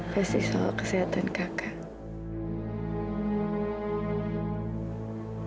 pasti soal kesehatan kakak